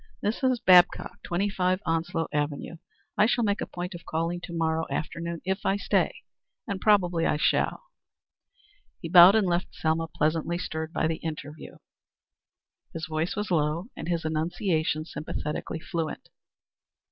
"Mrs. Babcock, 25 Onslow Avenue. I shall make a point of calling to morrow afternoon if I stay and probably I shall." He bowed and left Selma pleasantly stirred by the interview. His voice was low and his enunciation sympathetically fluent.